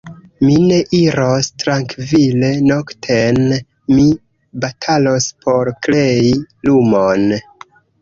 Mi ne iros trankvile nokten, mi batalos por krei lumon.